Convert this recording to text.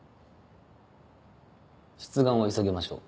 出願を急ぎましょう。